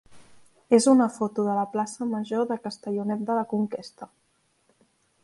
és una foto de la plaça major de Castellonet de la Conquesta.